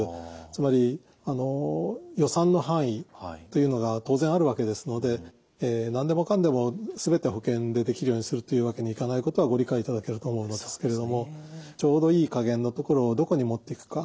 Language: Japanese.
つまり予算の範囲というのが当然あるわけですので何でもかんでも全て保険でできるようにするというわけにいかないことはご理解いただけると思うのですけれどもちょうどいい加減のところをどこにもっていくか。